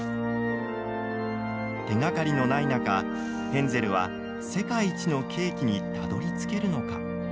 手がかりのない中ヘンゼルは世界一のケーキにたどりつけるのか。